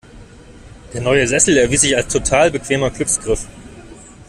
Der neue Sessel erwies sich als total bequemer Glücksgriff.